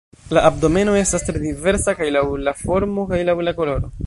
La abdomeno estas tre diversa, kaj laŭ la formo kaj laŭ la koloro.